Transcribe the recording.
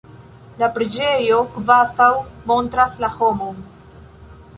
La preĝejo kvazaŭ montras la homon.